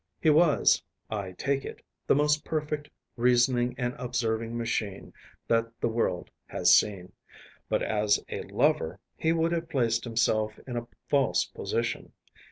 He was, I take it, the most perfect reasoning and observing machine that the world has seen, but as a lover he would have placed himself in a false position.